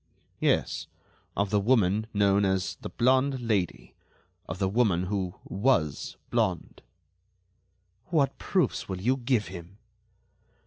"Yes, of the woman known as the blonde Lady, of the woman who was blonde." "What proofs will you give him?"